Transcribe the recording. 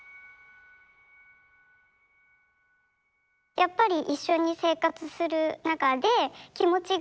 やっぱり一緒に生活する中で気持ちがああ